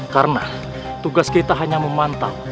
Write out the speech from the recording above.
karena tugas kita hanya memantau